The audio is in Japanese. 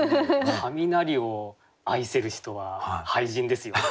雷を愛せる人は俳人ですよね。